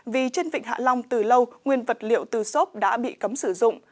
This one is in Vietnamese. vì trên vịnh hạ long từ lâu nguyên vật liệu từ xốp đã bị cấm sử dụng